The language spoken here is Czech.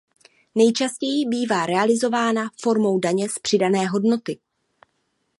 Nejčastěji bývá realizována formou daně z přidané hodnoty.